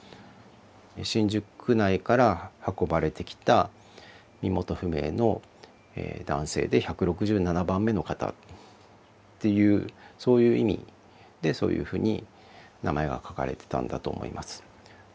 新宿区内から運ばれてきた身元不明の男性で１６７番目の方っていうそういう意味でそういうふうに名前が書かれてたんだと思います。